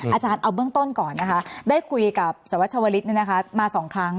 อาจารย์เอาเบื้องต้นก่อนได้คุยกับสวัสดิ์ชร์วริตมาสองครั้ง